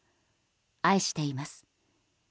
愛しています。